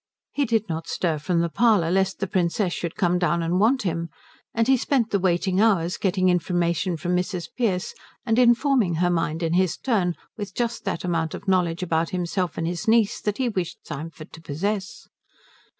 He did not stir from the parlour lest the Princess should come down and want him, and he spent the waiting hours getting information from Mrs. Pearce and informing her mind in his turn with just that amount of knowledge about himself and his niece that he wished Symford to possess.